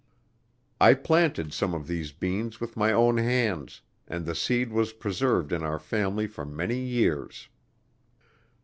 I planted some of these beans with my own hands, and the seed was preserved in our family for many years.